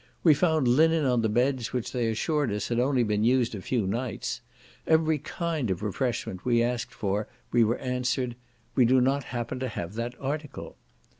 We found linen on the beds which they assured us had only been used a few nights; every kind of refreshment we asked for we were answered, "We do not happen to have that article."